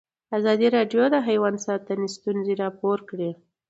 ازادي راډیو د حیوان ساتنه ستونزې راپور کړي.